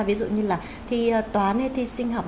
ví dụ như là thi toán thi sinh học